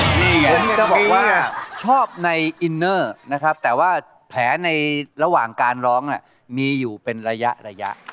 ผมจะบอกว่าชอบในอินเนอร์นะครับแต่ว่าแผลในระหว่างการร้องมีอยู่เป็นระยะระยะ